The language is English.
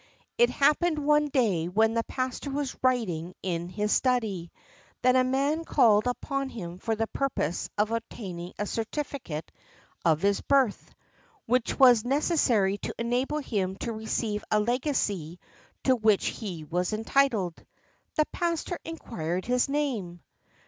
It happened one day when the pastor was writing in his study, that a man called upon him for the purpose of obtaining a certificate of his birth, which was necessary to enable him to receive a legacy to which he was entitled. The pastor inquired his name.